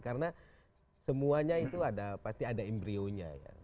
karena semuanya itu pasti ada embryonya ya